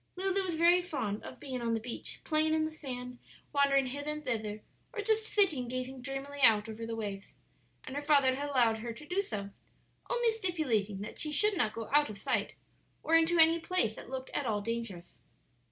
Lulu was very fond of being on the beach, playing in the sand, wandering hither and thither, or just sitting gazing dreamily out over the waves; and her father had allowed her to do so, only stipulating that she should not go out of sight or into any place that looked at all dangerous.